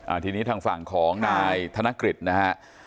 ทีนี้ทางฝั่งของนายธนกฤษนะฮะ